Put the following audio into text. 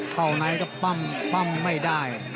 เข้าในก็ปั้มไม่ได้